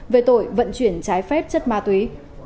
về tội vận chuyển trái phép chất ma túy